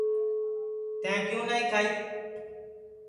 تیں کیوں نائی کھائی